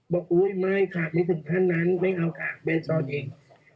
อุ๊ยไม่ค่ะไม่ถึงขั้นนั้นไม่เอาค่ะแม่ซ่อนเอง